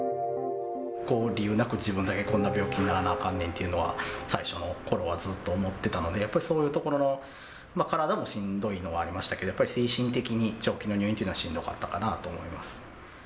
理由なく自分だけこんな病気にならなあかんねんというのは、最初のころはずっと思ってたので、やっぱりそういうところの体もしんどいのはありましたけど、やっぱり精神的に、長期の入院っていうのはしんどかったかなと思います。